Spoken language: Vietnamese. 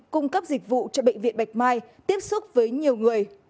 cung cấp dịch vụ cho bệnh viện bạch mai tiếp xúc với nhiều người